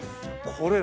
これ。